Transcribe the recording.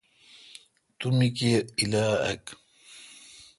تو می کیر الا اک۔